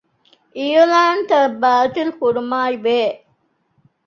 އިޢުލާންތައް ބާތިލްކުރުމާއި ބެހޭ